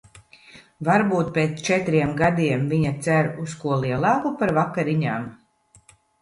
Varbūt pēc četriem gadiem viņa cer uz ko lielāku par vakariņām?